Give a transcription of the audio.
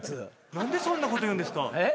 何でそんなこと言うんですか？